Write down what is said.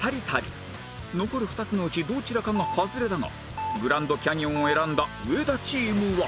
残る２つのうちどちらかがハズレだがグランドキャニオンを選んだ上田チームは